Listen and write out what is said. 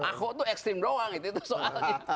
ahok tuh ekstrim doang itu soalnya